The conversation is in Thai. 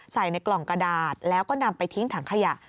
ใส่ในกล่องกระดาษแล้วก็นำไปทิ้งถังขยะ